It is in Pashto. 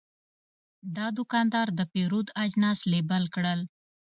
دا دوکاندار د پیرود اجناس لیبل کړل.